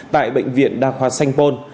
tại bệnh viện đa khoa sanh pôn